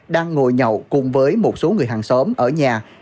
đang ngồi nhậu cùng với một số người hàng xóm ở nhà